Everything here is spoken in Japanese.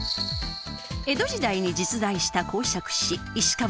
江戸時代に実在した講釈師石川